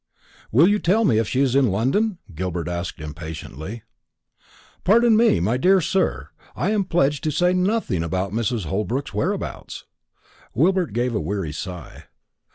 "Will you tell me if she is in London?" Gilbert asked impatiently. "Pardon me, my dear sir, I am pledged to say nothing about Mrs. Holbrook's whereabouts." Gilbert gave a weary sigh.